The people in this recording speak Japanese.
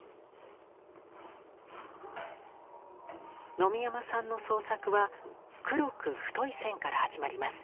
野見山さんの創作は黒く太い線から始まります。